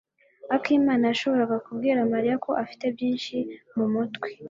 akimana yashoboraga kubwira Mariya ko afite byinshi mumutwe.